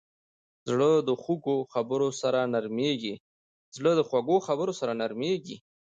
زړه د خوږو خبرو سره نرمېږي.